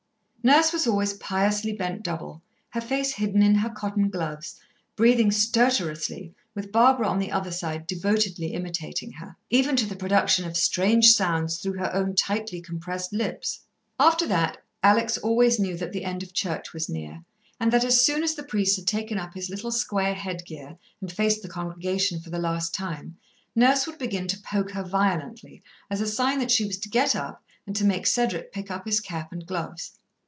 Nurse was always piously bent double, her face hidden in her cotton gloves, breathing stertorously with Barbara on the other side devotedly imitating her, even to the production of strange sounds through her own tightly compressed lips. After that, Alex always knew that the end of Church was near, and that as soon as the priest had taken up his little square headgear and faced the congregation for the last time, Nurse would begin to poke her violently, as a sign that she was to get up and to make Cedric pick up his cap and his gloves.